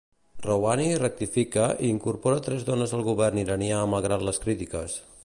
Rouhani rectifica i incorpora tres dones al Govern iranià malgrat les crítiques.